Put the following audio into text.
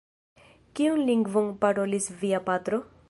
Kiun lingvon parolis via patro?